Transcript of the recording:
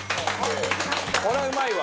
これはうまいわ。